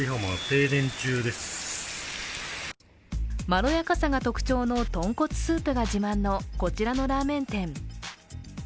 まろやかさが特徴の豚骨スープが自慢の、こちらのラーメン店。